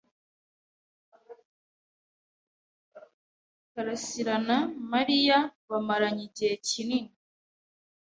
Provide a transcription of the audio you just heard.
Karasirana Mariya bamaranye igihe kinini.